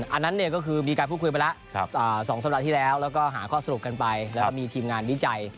อันนั้นเนี่ยก็คือมีการพูดคุยไปแล้ว๒สัปดาห์ที่แล้วแล้วก็หาข้อสรุปกันไปแล้วก็มีทีมงานวิจัย